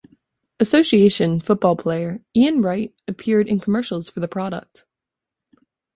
Association football player Ian Wright appeared in commercials for the product.